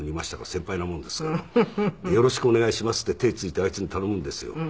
先輩なもんですから「よろしくお願いします」って手ついてあいつに頼むんですよ。